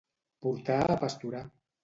Portar a pasturar.